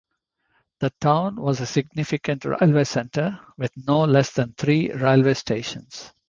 The town was a significant railway centre, with no less than three railway stations.